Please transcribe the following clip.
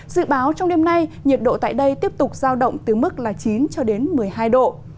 dự báo trong đêm nay nhiệt độ tại đây tiếp tục giao động từ mức chín một mươi hai độ